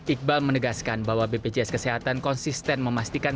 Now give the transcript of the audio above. iqbal menegaskan bahwa bpjs kesehatan konsisten memastikan